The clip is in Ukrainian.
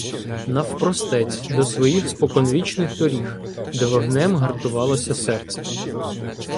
Навпростець до своїх споконвічних доріг, Де вогнем гартувалося серце.